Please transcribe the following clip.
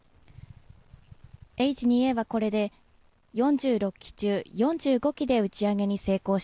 Ｈ２Ａはこれで４６機中４５機で打ち上げに成功し